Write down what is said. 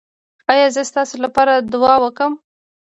ایا زه ستاسو لپاره دعا وکړم؟